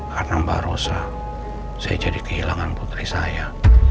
karena mbak rosa saya jadi kehilangan putri saya